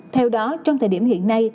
theo đó trong thời điểm hiện nay